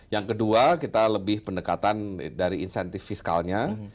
yang kedua kita lebih pendekatan dari insentif fiskalnya